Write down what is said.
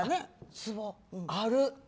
つぼ、ある！